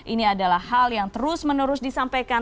ini adalah hal yang terus menerus disampaikan